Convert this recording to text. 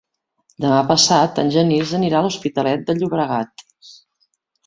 Demà passat en Genís anirà a l'Hospitalet de Llobregat.